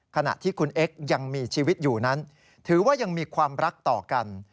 ขณะที่คุณเอ็กซ์ยังมีชีวิตอยู่นั้นถือว่ายังมีความรักต่อกัน